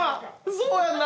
そうやんな！